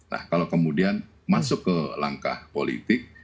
nah kalau kemudian masuk ke langkah politik